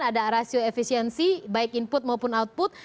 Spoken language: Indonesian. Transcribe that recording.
ada rasio efisiensi baik input maupun output